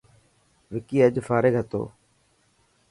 وڪي اڄ فارغ هتو.